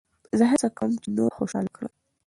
زه هڅه کوم، چي نور خوشحاله کړم.